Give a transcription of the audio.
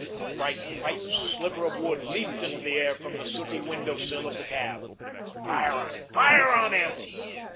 A bright, white sliver of wood leaped into the air from the sooty window sill of the cab. "Fire on him! Fire on him!"